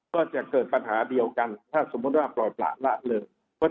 ก็จะเกิดปัญหาเดียวกันถ้าสมมุติว่าปล่อยประละเลย